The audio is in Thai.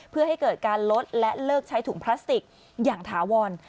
เพื่อให้เกิดการลดและเลิกใช้ถุงพลาสติกอย่างถาวร